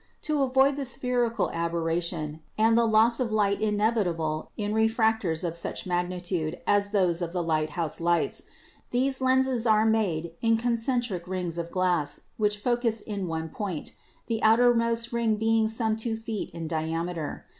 To avoid the spherical aberration, and the loss of light inevitable in refractors of such magnitude as those of the lighthouse lights, these lenses are made in concentric rings of glass, which focus in one point, the outermost ring being some two feet in diameter.